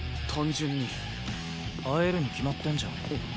会えるに決まってんじゃん。